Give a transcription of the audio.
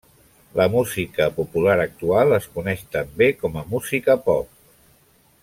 La música popular actual es coneix també com a música pop.